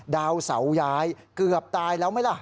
ดาวเสาย้ายเกือบตายแล้วไหมล่ะ